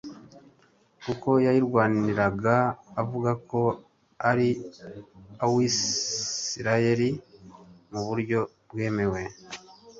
kuko yayirwaniraga avuga ko ari uwAbisirayeli mu buryo bwemewe